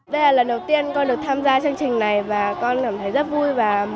đây là lần đầu tiên con được tham gia chương trình này và con cảm thấy rất vui và